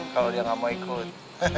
kalau dia nggak mau ikut